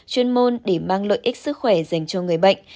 chuyên môn để mang lợi ích sức khỏe dành cho người bệnh